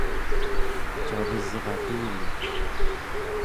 cavesratuli